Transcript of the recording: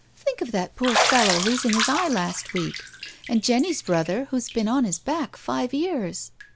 " Think of that poor fellow losing his eye last week, and Jenny's brother, who has been on his back five years.'